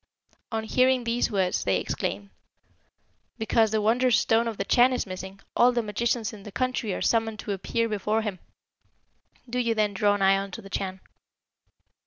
On hearing these words they exclaimed, 'Because the wondrous stone of the Chan is missing, all the magicians in the country are summoned to appear before him. Do you then draw nigh unto the Chan.'